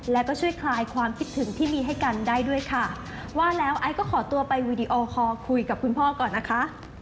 แล้วก็ช่วยคลายความคิดถึงที่มีให้กันได้ด้วยค่ะว่าแล้วไอซ์ก็ขอตัวไปวีดีโอคอลคุยกับคุณพ่อก่อนนะคะ